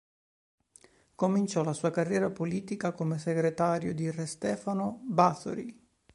Cominciò la sua carriera politica come segretario di re Stefano Báthory.